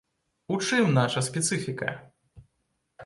У чым наша спецыфіка?